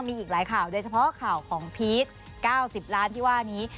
มีอีกหลายข่าวโดยเฉพาะข่าวของพีช๙๐ล้านที่ว่านี้